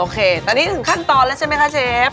โอเคตอนนี้ถึงขั้นตอนแล้วใช่มั้ยคะเชฟ